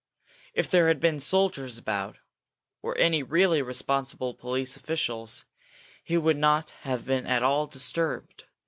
If there had been soldiers about, or any really responsible police officials, he would not have been at all disturbed.